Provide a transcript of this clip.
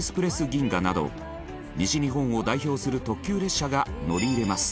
銀河など西日本を代表する特急列車が乗り入れます